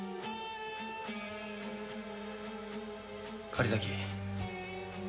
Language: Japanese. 狩崎。